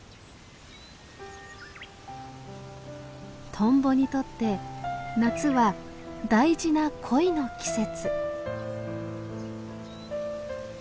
トンボにとって夏は大事な恋の季節。